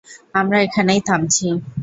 আমরা এখানেই থামছি।